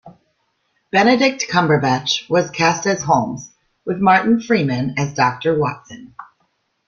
Benedict Cumberbatch was cast as Holmes, with Martin Freeman as Doctor Watson.